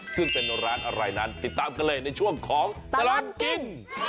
ซึ่งเป็นร้านอะไรนั้นติดตามกันเลยในช่วงของตลอดกิน